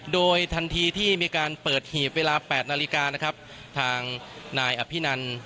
โดยทันทีที่มีการเปิดหีบเวลา๘นาฬิกานะครับทางนายอภินัน